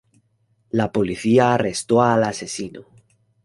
La policía arrestó al asesino.